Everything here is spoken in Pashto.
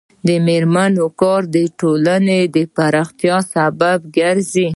د میرمنو کار د ټولنې پراختیا سبب ګرځي.